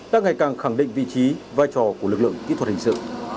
đang ngày càng khẳng định vị trí vai trò của lực lượng kỹ thuật hình sự